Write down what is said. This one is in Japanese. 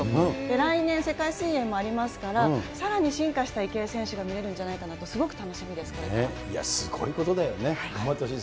来年、世界水泳もありますから、さらに進化した池江選手が見れるんじゃないかなとすごく楽しみでいや、すごいことだよね。